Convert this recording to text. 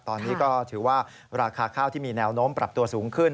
ตอนนี้ก็ถือว่าราคาข้าวที่มีแนวโน้มปรับตัวสูงขึ้น